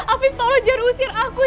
afif tolong jangan usir aku